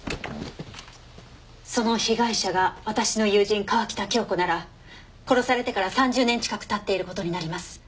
その被害者が私の友人川喜多京子なら殺されてから３０年近く経っている事になります。